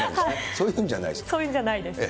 そういうのじゃないですね。